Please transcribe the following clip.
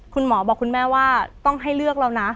คุณหมอบอกคุณแม่ว่าต้องให้เลือกเรานะ